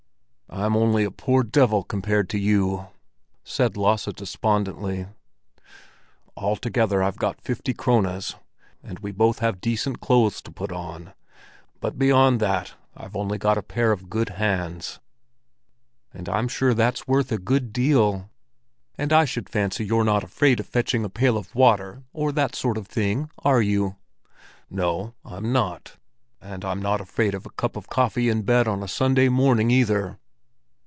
"I'm only a poor devil compared to you!" said Lasse despondently. "Altogether I've got fifty krones, and we both have decent clothes to put on; but beyond that I've only got a pair of good hands." "And I'm sure that's worth a good deal! And I should fancy you're not afraid of fetching a pail of water or that sort of thing, are you?" "No, I'm not. And I'm not afraid of a cup of coffee in bed on a Sunday morning, either."